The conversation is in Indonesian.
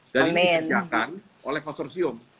dan ini dikembangkan oleh konsorsium